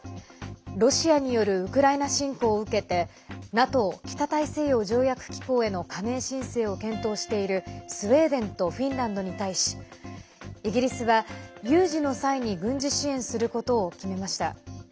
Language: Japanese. ロシアによるウクライナ侵攻を受けてＮＡＴＯ＝北大西洋条約機構への加盟申請を検討しているスウェーデンとフィンランドに対しイギリスは、有事の際に軍事支援することを決めました。